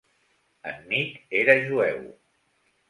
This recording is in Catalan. En Mick era jueu.